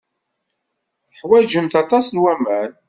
Teḥwajemt aṭas n waman.